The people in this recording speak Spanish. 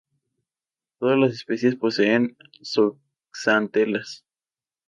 Todas las especies poseen zooxantelas.